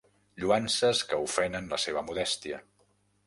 Lloances que ofenen la seva modèstia.